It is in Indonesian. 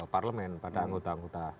parlemen pada anggota anggota